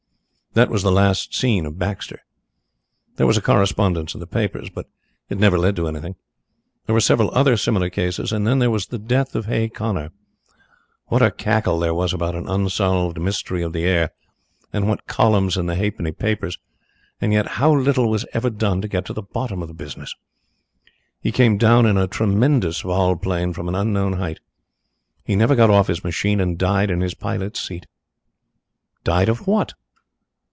That was the last seen of Baxter. There was a correspondence in the papers, but it never led to anything. There were several other similar cases, and then there was the death of Hay Connor. What a cackle there was about an unsolved mystery of the air, and what columns in the halfpenny papers, and yet how little was ever done to get to the bottom of the business! He came down in a tremendous vol plane from an unknown height. He never got off his machine and died in his pilot's seat. Died of what?